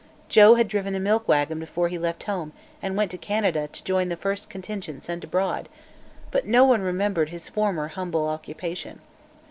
Joe had driven a milk wagon before he left home and went to Canada to join the first contingent sent abroad, but no one remembered his former humble occupation.